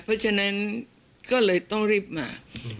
เพราะฉะนั้นก็เลยต้องรีบมา